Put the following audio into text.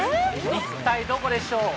一体どこでしょう？